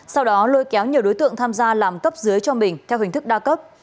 sau đó lôi kéo nhiều đối tượng tham gia làm cấp dưới cho mình theo hình thức đa cấp